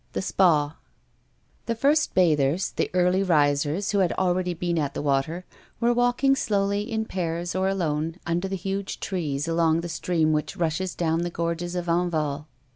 THE SPA The first bathers, the early risers, who had already been at the water, were walking slowly, in pairs or alone, under the huge trees along the stream which rushes down the gorges of Enval.